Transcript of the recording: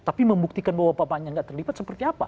tapi membuktikan bahwa bapaknya gak terlibat seperti apa